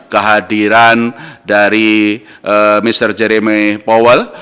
kehadiran dari mr jeremy powell